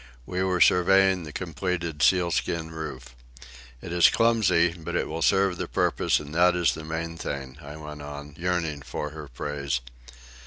We were surveying the completed seal skin roof. "It is clumsy, but it will serve the purpose, and that is the main thing," I went on, yearning for her praise.